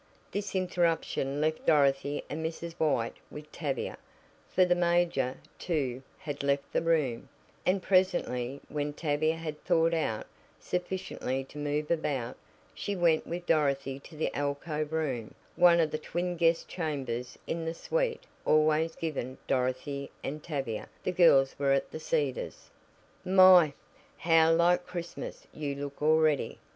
This interruption left Dorothy and Mrs. White with Tavia, for the major, too, had left the room, and presently, when Tavia had "thawed out" sufficiently to move about, she went with Dorothy to the alcove room, one of the twin guest chambers in the suite always given Dorothy and Tavia the girls were at The Cedars. "My, how like Christmas you look already!"